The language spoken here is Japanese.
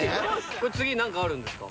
これ次何かあるんですか？